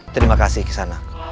terima kasih kisanak